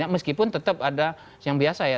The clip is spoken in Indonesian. meskipun tetap ada yang biasa ya